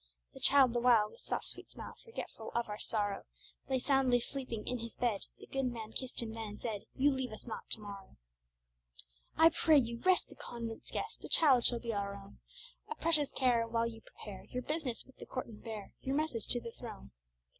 The child the while, with soft, sweet smile Forgetful of all sorrow, Lay soundly sleeping in his bed. The good man kissed him then, and said: "You leave us not to morrow! "I pray you rest the convent's guest; The child shall be our own A precious care, while you prepare Your business with the court, and bear Your message to the throne."